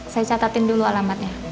saya catatin dulu alamatnya